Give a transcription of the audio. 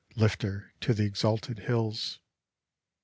Lift her to the exalted hills.